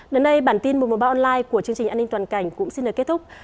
đến đây bản tin một trăm một mươi ba online của chương trình an ninh toàn cảnh cũng xin được kết thúc